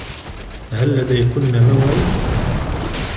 هل لديكن موعد؟